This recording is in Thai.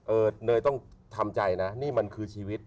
เนยต้องทำใจนะนี่มันคือชีวิต